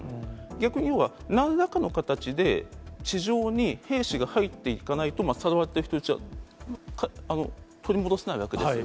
逆に要はなんらかの形で地上に兵士が入っていかないと、さらわれた人たちは取り戻せないわけです。